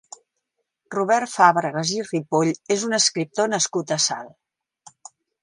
Robert Fàbregas i Ripoll és un escriptor nascut a Salt.